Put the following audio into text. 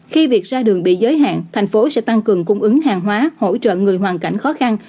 khi việc ra đường bị giới hạn thành phố sẽ tăng cường cung ứng hàng hóa hỗ trợ người hoàn cảnh khó khăn